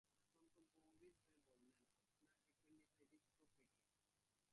অত্যন্ত গম্ভীর হয়ে বললেন, আপনার অ্যাপেণ্ডিসাইটিস তো পেকে।